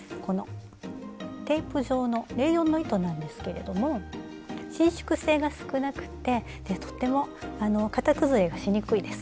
テープ状のレーヨンの糸なんですけれども伸縮性が少なくってとっても型崩れがしにくいです。